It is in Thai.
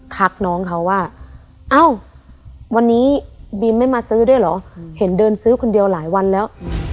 ทักน้องเขาว่าเอ้าวันนี้บีมไม่มาซื้อด้วยเหรอเห็นเดินซื้อคนเดียวหลายวันแล้ว